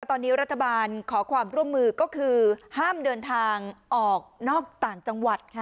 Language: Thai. ตอนนี้รัฐบาลขอความร่วมมือก็คือห้ามเดินทางออกนอกต่างจังหวัด